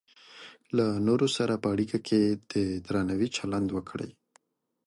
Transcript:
له نورو سره په اړیکه کې د درناوي چلند وکړئ.